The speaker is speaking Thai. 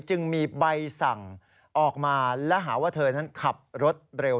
จึงมีใบสั่งออกมาและหาว่าเธอนั้นขับรถเร็ว